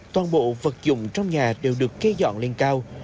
toàn bộ vật dụng trong nhà đều được kê dọn lên cao